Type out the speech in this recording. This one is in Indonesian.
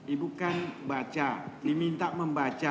ibu kan baca diminta membaca